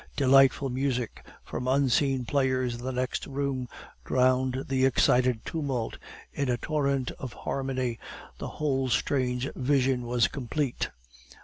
Delightful music, from unseen players in the next room, drowned the excited tumult in a torrent of harmony the whole strange vision was complete.